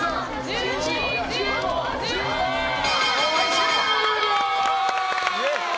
終了！